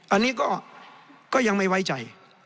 อันนี้ก็ยังไม่ไว้ใจ